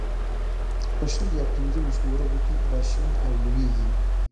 په شل یا پنځه ويشتو ورځو کې را شین او لوېږي.